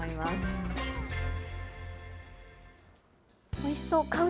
おいしそう。